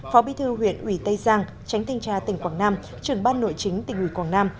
phó bí thư huyện ủy tây giang tránh thanh tra tỉnh quảng nam trưởng ban nội chính tỉnh ủy quảng nam